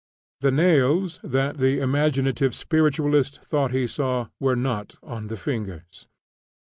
The nails that the imaginative spiritualist thought he saw were not on the fingers.